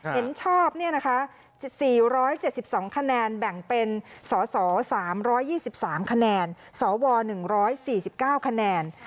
เห็นชอบ๔๗๒คะแนนแบ่งเป็นสส๓๒๓คะแนนสว๑๔๙คะแนน